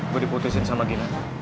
gue diputusin sama gina